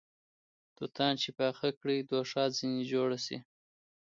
توتان چې پاخه کړې دوښا ځنې جوړه سې